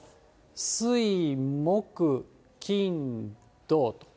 水、木、金、土と。